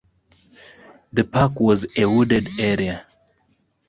The park was a wooded area.